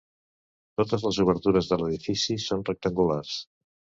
Totes les obertures de l'edifici són rectangulars.